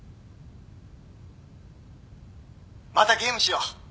またゲームしよう。